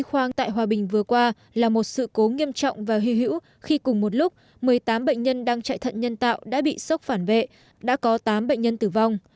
khoang tại hòa bình vừa qua là một sự cố nghiêm trọng và hy hữu khi cùng một lúc một mươi tám bệnh nhân đang chạy thận nhân tạo đã bị sốc phản vệ đã có tám bệnh nhân tử vong